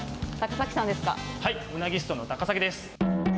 ウナギストの高崎です。